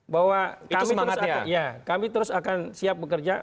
bahwa kami terus akan siap bekerja